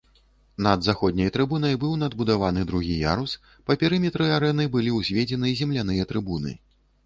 Над заходняй трыбунай быў надбудаваны другі ярус, па перыметры арэны былі ўзведзены земляныя трыбуны.